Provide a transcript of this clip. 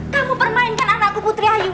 kamu permainkan anakku putri ayu